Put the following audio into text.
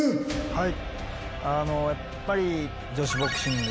はい？